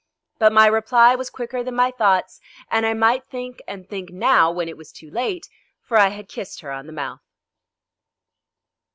But my reply was quicker than my thoughts, and I might think and think now when it was too late, for I had kissed her on the mouth.